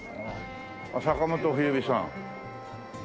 坂本冬美さん。